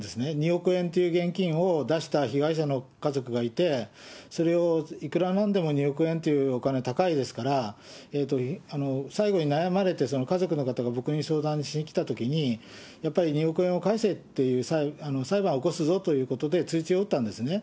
２億円という現金を出した被害者の家族がいて、それをいくらなんでも２億円というお金、高いですから、最後に悩まれて、家族の方が僕に相談しに来たときに、やっぱり２億円を返せっていう、裁判を起こすぞということで通知を打ったんですね。